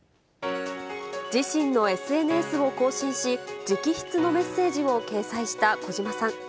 自身のＳＮＳを更新し、直筆のメッセージを掲載した小島さん。